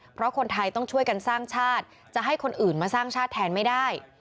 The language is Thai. เพราะคนไทยต้องช่วยกันสร้างชาติจะให้คนอื่นมาสร้างชาติแทนไม่ได้